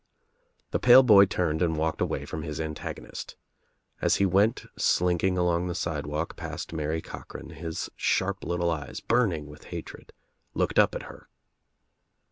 The pale boy turned and walked away from his antagonist. As he went slinking along the sidewalk past Mary Cochran his sharp little eyes, burning with hatred, looked up at her.